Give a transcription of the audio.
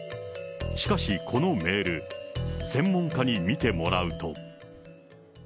しかし、このめーる専門家に見てもらうと。